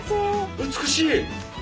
美しい！